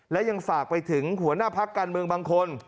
และยังฝากไปถึงหัวหน้าพักการเมืองบางคน